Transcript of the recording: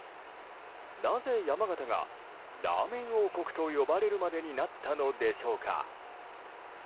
なぜ、山形がラーメン王国と呼ばれるまでになったのでしょうか。